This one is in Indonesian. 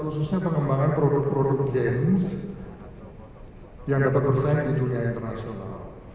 khususnya pengembangan produk produk denice yang dapat bersaing di dunia internasional